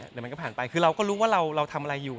เดี๋ยวมันก็ผ่านไปคือเราก็รู้ว่าเราทำอะไรอยู่